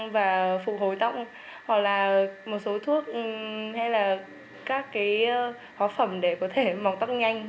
và một số thuốc hay là các hóa phẩm để có thể mọc tóc nhanh